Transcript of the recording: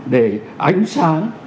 để ánh sáng